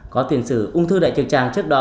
có tiền sử ung thư đại trực tràng trước đó